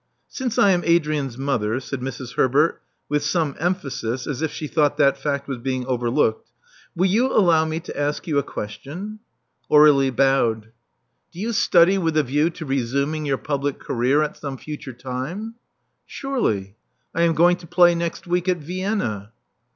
Since I am Adrian's mother," said Mrs. Herbert with some emphasis, as if she thought that fact was being overlooked, will you allow me to ask you a question?" Aur^lie bowed. 336 Love Among the Artists Do you study with a view to resuming your public career at some future time?" Surely. I am going to play next week at Vienna."